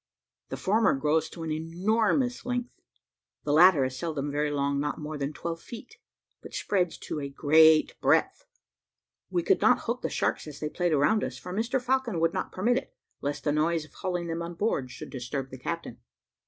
The former grows to an enormous length the latter is seldom very long, not more than twelve feet, but spreads to a great breadth. We could not hook the sharks as they played around us, for Mr Falcon would not permit it, lest the noise of hauling them on board should disturb the captain.